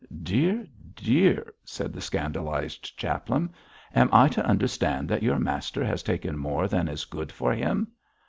'Dear! dear!' said the scandalised chaplain, 'am I to understand that your master has taken more than is good for him?'